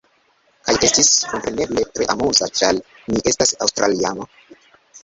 Kaj estis, kompreneble tre amuza ĉar mi estas aŭstraliano.